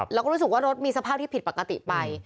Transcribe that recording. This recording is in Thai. แล้วก็รู้สึกว่ารถมีสภาพที่ผิดปกติไป